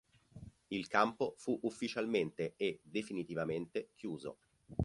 Il campo fu ufficialmente e definitivamente chiuso.